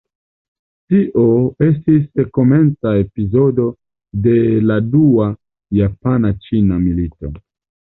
Tio estis komenca epizodo de la Dua japana-ĉina milito.